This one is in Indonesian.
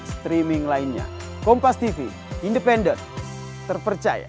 streaming lainnya kompas tv independen terpercaya